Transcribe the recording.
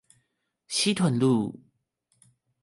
西屯路